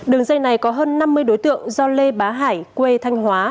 đường dây này có hơn năm mươi đối tượng do lê bá hải quê thanh hóa